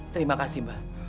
terima kasih mbah